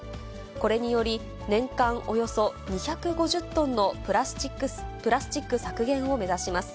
これにより、年間およそ２５０トンのプラスチック削減を目指します。